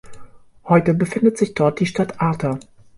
Heute befindet sich dort die Stadt Arta.